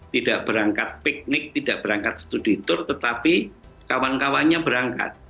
tidak berangkat piknik tidak berangkat studi tur tetapi kawan kawannya berangkat